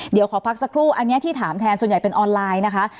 เดี๋ยวขอพักสักครู่อันนี้ที่ถามแทนส่วนใหญ่เป็นออนไลน์นะคะ